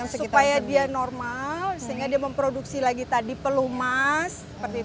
supaya dia normal sehingga dia memproduksi lagi tadi pelumas